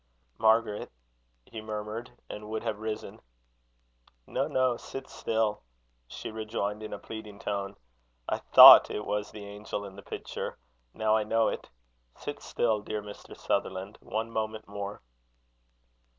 "Margaret!" he murmured, and would have risen. "No, no; sit still," she rejoined, in a pleading tone. "I thought it was the angel in the picture. Now I know it. Sit still, dear Mr. Sutherland, one moment more."